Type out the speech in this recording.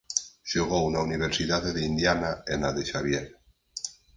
Xogou na Universidade de Indiana e na de Xavier.